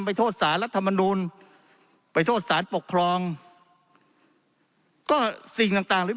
ไปโทษศาลรัฐมนูญไปโทษศาลปกครองก็สิ่งต่างต่างเลย